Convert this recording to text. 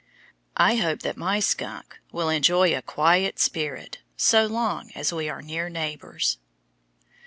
I hope that my skunk will enjoy a quiet spirit so long as we are near neighbors.